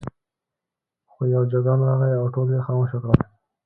خو یو جګړن راغی او ټول یې خاموشه کړل.